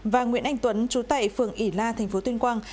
và nguyễn anh tuấn trú tại phường ỉ la thành phố tuyên quang